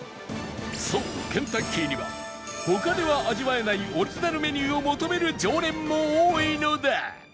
そうケンタッキーには他では味わえないオリジナルメニューを求める常連も多いのだ